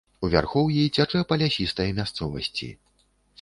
У вярхоўі цячэ па лясістай мясцовасці.